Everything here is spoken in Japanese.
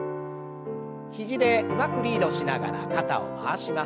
肘でうまくリードしながら肩を回します。